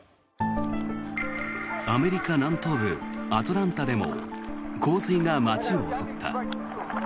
アメリカ南東部アトランタでも洪水が街を襲った。